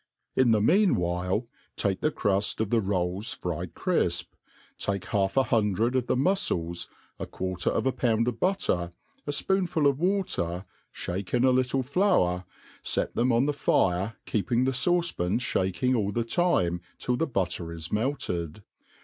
lathe mean while take the cruft of the rolls fried crifp; t^ke half a hundred oif the muflfels, a quarter of a pound of butrer, a fpoonful of water, (hake in a little flour, fet theai on the fixe, keeping the fauce»pan (haking all the time till the butter is melted.